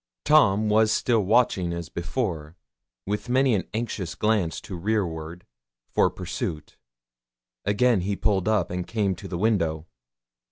Tom was still watching as before, with many an anxious glance to rearward, for pursuit. Again he pulled up, and came to the window.